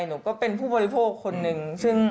หนูก็เป็นผู้บริโภคคนหนึ่ง